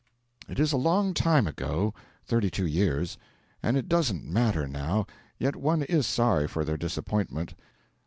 It is a long time ago thirty two years and it doesn't matter now, yet one is sorry for their disappointment.